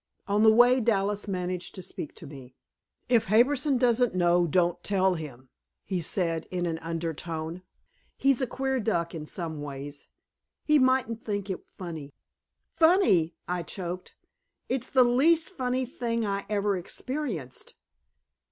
On the way Dallas managed to speak to me. "If Harbison doesn't know, don't tell him," he said in an undertone. "He's a queer duck, in some ways; he mightn't think it funny." "Funny," I choked. "It's the least funny thing I ever experienced.